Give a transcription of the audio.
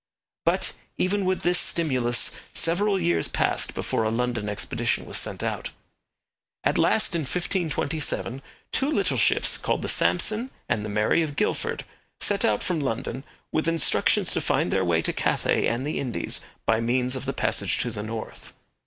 But, even with this stimulus, several years passed before a London expedition was sent out. At last, in 1527, two little ships called the Samson and the Mary of Guildford set out from London with instructions to find their way to Cathay and the Indies by means of the passage to the north.